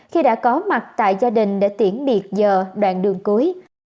khi đã có mặt tại gia đình để tiễn biệt giờ đoạn đường cuối